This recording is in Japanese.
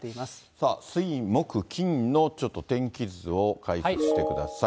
さあ、水、木、金のちょっと天気図を解説してください。